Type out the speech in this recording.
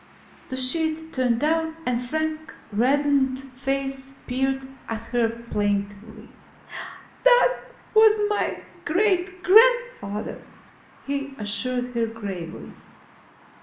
The sheet turned down and Frank's reddened face peered at her plaintively. "That was my great grandfather," he assured her gravely.